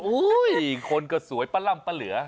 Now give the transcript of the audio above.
อุ้ยคนก็สวยปะล่ำปะเหลือ